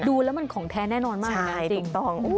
ดูแล้วมันของแท้แน่นอนมาก